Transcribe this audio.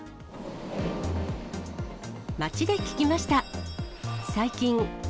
街で聞きました。